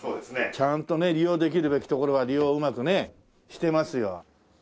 ちゃんと利用できるべきところは利用うまくねしてますよ。